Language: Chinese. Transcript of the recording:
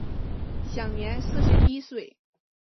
享年四十一岁。